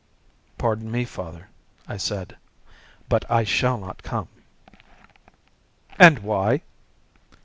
"Pardon me, father," I said, "but I shall not come." "And why?"